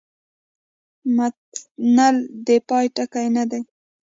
منل د پای ټکی نه دی.